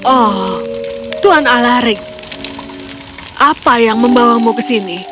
oh tuan alarik apa yang membawamu ke sini